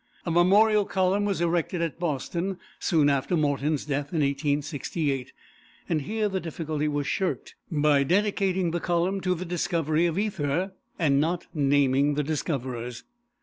A memorial column was erected at Boston, soon after Morton's death in 1868, and here the difficulty was shirked by dedicating the column to the discovery of ether, and not naming the discoverers.